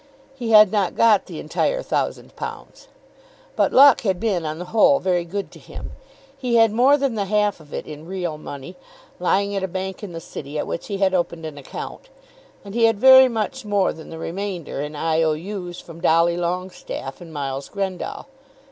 He had not got the entire thousand pounds. But luck had been on the whole very good to him. He had more than the half of it in real money, lying at a bank in the city at which he had opened an account. And he had very much more than the remainder in I. O. U.'s from Dolly Longestaffe and Miles Grendall.